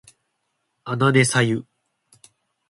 あなねさゆ